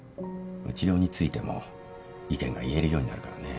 治療についても意見が言えるようになるからね。